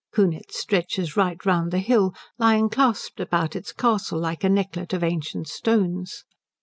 Kunitz stretches right round the hill, lying clasped about its castle like a necklet of ancient stones.